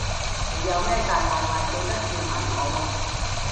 你有咩大鑊飯記得叫埋我喎